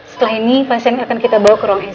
setelah ini pasien akan kita bawa ke wrong issue